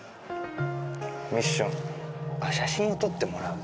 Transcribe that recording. ミッション写真を撮ってもらうだ。